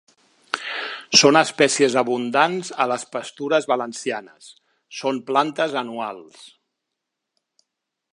Són espècies abundants a les pastures valencianes. Són plantes anuals.